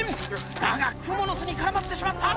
だがクモの巣に絡まってしまった。